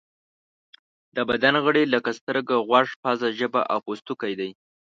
د بدن غړي لکه سترګه، غوږ، پزه، ژبه او پوستکی دي.